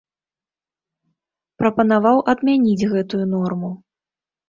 Прапанаваў адмяніць гэтую норму.